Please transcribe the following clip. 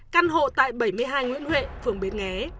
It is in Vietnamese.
căn hộ tại bảy mươi hai nguyễn huệ phường bến nghé